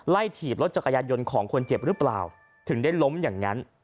ถีบรถจักรยานยนต์ของคนเจ็บหรือเปล่าถึงได้ล้มอย่างนั้น